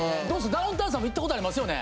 ダウンタウンさんも行ったことありますよね？